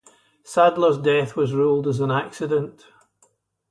Sadler's death was ruled as an accident.